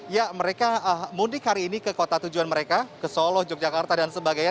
ya mereka mudik hari ini ke kota tujuan mereka ke solo yogyakarta dan sebagainya